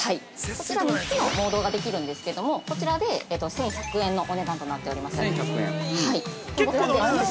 こちら、３つのモードができるんですけども、こちらで１１００円のお値段となっております。